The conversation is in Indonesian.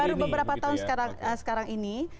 baru beberapa tahun sekarang ini